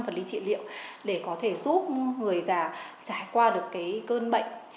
phần lý trị liệu để có thể giúp người già trải qua được cơn bệnh